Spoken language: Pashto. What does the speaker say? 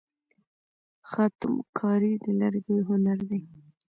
خاتم کاري د لرګیو هنر دی.